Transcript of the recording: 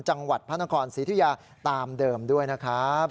จังหวัดพระนครศรีธุยาตามเดิมด้วยนะครับ